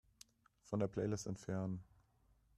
Von der Playlist entfernen.